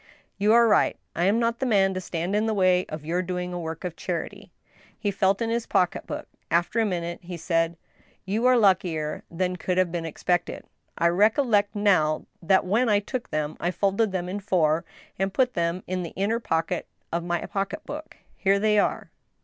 "You are right. I'm not the man to stand in the way of your doing a work of charity." He felt in his pocket book. After a minute, he said :" You are luckier than could have been expected, I recollect now that when I took them I folded them in four, and put them in the little inner pocket of my pocket book. .., Here they are."